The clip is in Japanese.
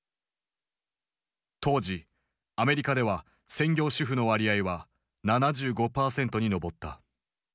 当時アメリカでは専業主婦の割合は７５％に上った。